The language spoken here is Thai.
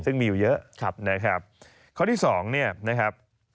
ซึ่งมีอยู่เยอะนะครับข้อที่สองเนี่ยนะครับ